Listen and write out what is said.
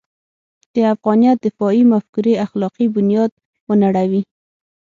د افغانیت دفاعي مفکورې اخلاقي بنیاد ونړوي.